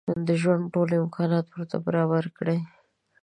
د ژوند ټول امکانات ورته برابر کړي.